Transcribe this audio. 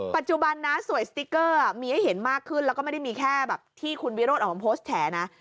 ปัจจุบันนะสวยสติ๊กเกอร์มีให้เห็นมากขึ้นแล้วก็ไม่ได้มีแค่แบบที่คุณวิโรธออกมาโพสต์แฉนะ